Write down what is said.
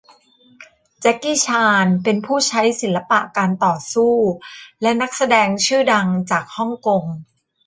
แจ็คกี้ชานเป็นผู้ใช้ศิลปะการต่อสู้และนักแสดงชื่อดังจากฮ่องกง